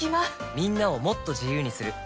みんなをもっと自由にする「三菱冷蔵庫」